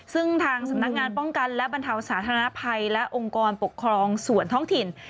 ซึ่งทางสำนักงานป้องกันและบรรเทาสาธารณภัยและองค์กรปกครองส่วนท้องถิ่น